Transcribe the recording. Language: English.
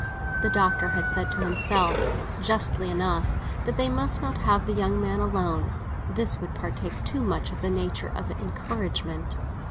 The Doctor had said to himself, justly enough, that they must not have the young man alone; this would partake too much of the nature of encouragement.